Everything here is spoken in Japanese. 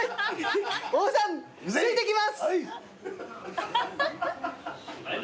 大さんついてきます！